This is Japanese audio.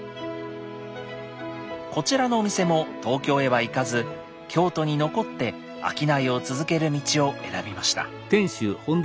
こちらのお店も東京へは行かず京都に残って商いを続ける道を選びました。